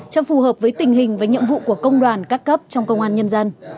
cho phù hợp với tình hình và nhiệm vụ của công đoàn các cấp trong công an nhân dân